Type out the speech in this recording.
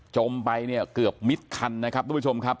มไปเนี่ยเกือบมิดคันนะครับทุกผู้ชมครับ